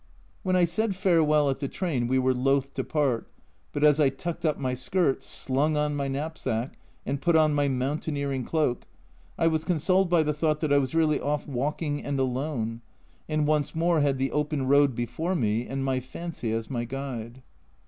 When I said farewell at the train we were loath to part but as I tucked up my skirts, slung on my knapsack and put on my mountaineering cloak, I was consoled by the thought I was really off walking and alone, and once more had the open road before me and my fancy as my guide.